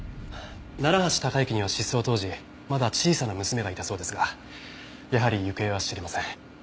楢橋高行には失踪当時まだ小さな娘がいたそうですがやはり行方は知れません。